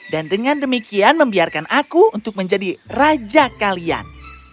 dan dengan demikian membiarkan aku untuk menjadi raja kalian